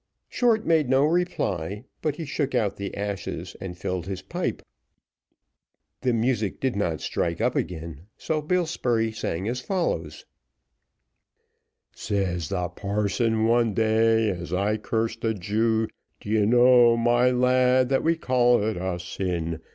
Short made no reply, but he shook out the ashes and filled his pipe. The music did not strike up again, so Bill Spurey sang as follows: Says the parson one day, as I cursed a Jew, Do you know, my lad, that we call it a sin?